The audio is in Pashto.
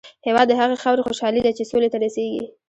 هېواد د هغې خاورې خوشحالي ده چې سولې ته رسېږي.